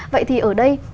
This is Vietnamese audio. vậy thì ở đây